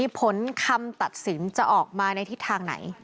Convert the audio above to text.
ผลคำตัดสินจะออกมาในทิศทางไหน